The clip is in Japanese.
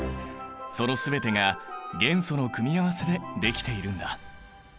その全てが元素の組み合わせでできているんだ。